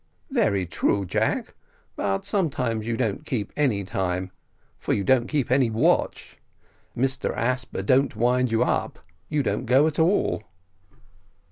"Very true, Jack; but sometimes you don't keep any time, for you don't keep any watch. Mr Asper don't wind you up. You don't go at all."